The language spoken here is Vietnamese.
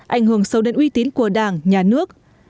ảnh hưởng sâu đến uy tín của đảng nhà nước